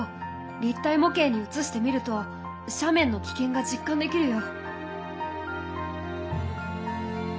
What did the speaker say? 立体模型にうつしてみると斜面の危険が実感できるよ。